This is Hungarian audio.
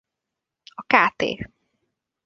A Kt.